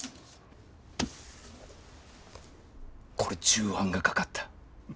これ重版がかかった。